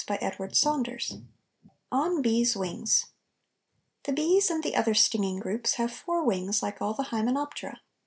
ON BEES' WINGS The Bees and the other stinging groups have four wings like all the Hymenoptera.